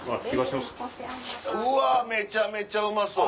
うわめちゃめちゃうまそう！